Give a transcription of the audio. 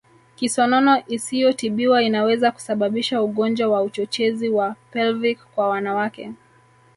Kisonono isiyotibiwa inaweza kusababisha ugonjwa wa uchochezi wa Pelvic kwa wanawake